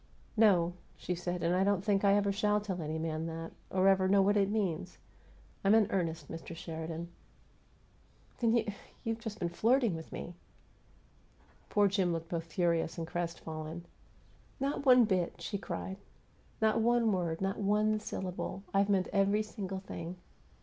"No," she said. "And I don't think I ever shall tell any man that or ever know what it means. I'm in earnest, Mr. Sheridan." "Then you you've just been flirting with me!" Poor Jim looked both furious and crestfallen. "Not one bit!" she cried. "Not one word! Not one syllable! I've meant every single thing!"